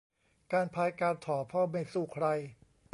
การพายการถ่อ พ่อไม่สู้ใคร